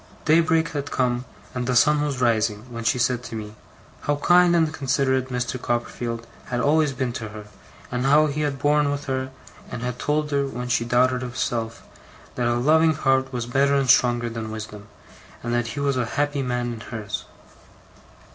'Daybreak had come, and the sun was rising, when she said to me, how kind and considerate Mr. Copperfield had always been to her, and how he had borne with her, and told her, when she doubted herself, that a loving heart was better and stronger than wisdom, and that he was a happy man in hers.